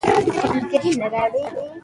ټولنیز واقعیت د وګړو له تعامل څخه پیدا کېږي.